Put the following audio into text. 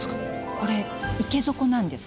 これ池底なんです。